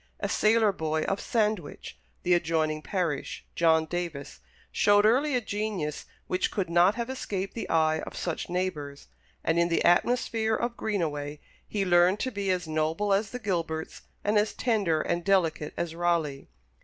A sailor boy of Sandwich, the adjoining parish, John Davis, showed early a genius which could not have escaped the eye of such neighbours, and in the atmosphere of Greenaway he learned to be as noble as the Gilberts, and as tender and delicate as Raleigh.